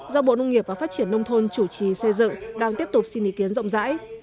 do bộ nông nghiệp và phát triển nông thôn chủ trì xây dựng đang tiếp tục xin ý kiến rộng rãi